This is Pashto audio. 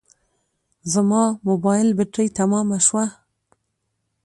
زما موبایل بټري تمامه شوه